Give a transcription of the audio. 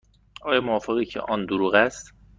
آیا موافقی که آن دروغ است؟